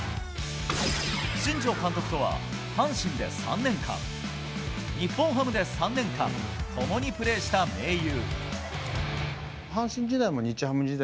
新庄監督とは、阪神で３年間日本ハムで３年間共にプレーした盟友。